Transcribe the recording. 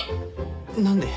何で？